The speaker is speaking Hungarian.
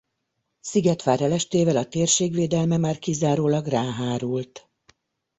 Szigetvár elestével a térség védelme már kizárólag rá hárult.